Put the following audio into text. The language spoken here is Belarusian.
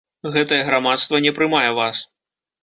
Гэтае грамадства не прымае вас.